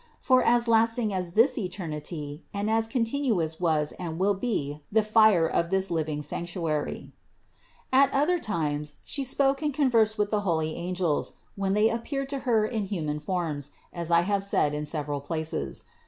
For as lasting as this eternity and as contin uous was and will be the fire of this living sanctuary. 247. At other times She spoke and conversed with the holy angels, when they appeared to Her in human forms, as I have said in several places.